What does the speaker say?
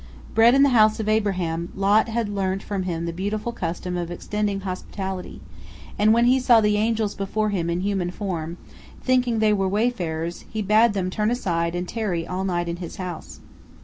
Bred in the house of Abraham, Lot had learnt from him the beautiful custom of extending hospitality, and when he saw the angels before him in human form, thinking they were wayfarers, he bade them turn aside and tarry all night in his house.